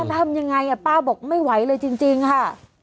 ทำยังไงป้าบอกไม่ไหวเลยจริงค่ะ